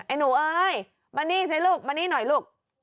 หนูเอ้ยมานี่สิลูกมานี่หน่อยลูก